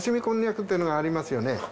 こんにゃくっていうのがありますよね。